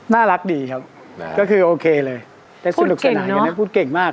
น่ารักดีครับก็คือโอเคเลยได้สนุกสนานกันนะพูดเก่งมากครับพูดเก่งเนอะ